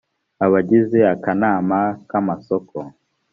abagize akanama k amasoko